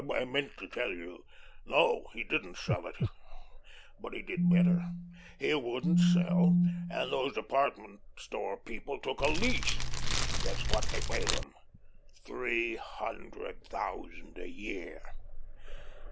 I meant to tell you. No, he didn't sell it. But he did better. He wouldn't sell, and those department store people took a lease. Guess what they pay him. Three hundred thousand a year.